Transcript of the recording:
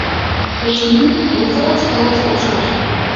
Очыни, вокзалыш палаш толшаш.